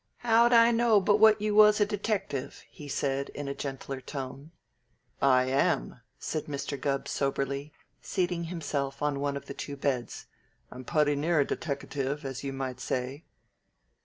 "How'd I know but what you was a detective?" he asked, in a gentler tone. "I am," said Mr. Gubb soberly, seating himself on one of the two beds. "I'm putty near a deteckative, as you might say."